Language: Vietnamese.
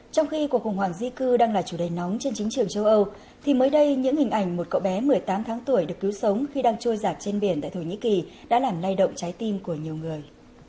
trong khi cuộc khủng hoảng di cư đang là chủ đề nóng trên chính trường châu âu thì mới đây những hình ảnh một cậu bé một mươi tám tháng tuổi được cứu sống khi đang trôi giặt trên biển tại thổ nhĩ kỳ đã làm lay động trái tim của nhiều người